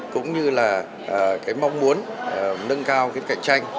cũng như là mong muốn nâng cao cạnh tranh